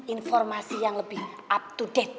informasi yang lebih up to date